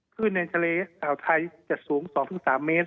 ขึ้นในกระเทศสาวไทยจากสูง๒ถึง๓เมตร